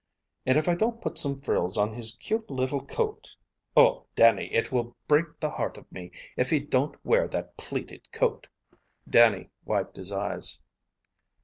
And if I don't put some frills on his cute little coat! Oh, Dannie, it will break the heart of me if he don't wear that pleated coat!" Dannie wiped his eyes.